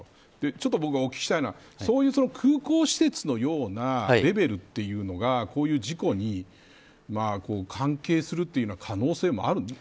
僕がお聞きしたいのはそういう空港施設のようなレベルというのがこういう事故に関係するというような可能性もあるんですか。